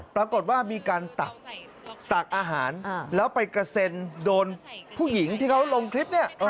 ปรากฏว่ามีการตักอาหารแล้วไปกระเซ็นโดนผู้หญิงที่เขาลงคลิปเนี่ย